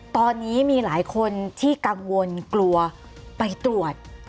ตอนนี้มีหลายคนที่กังวลกลัวไปตรวจ